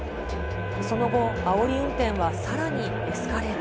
その後、あおり運転はさらにエスカレート。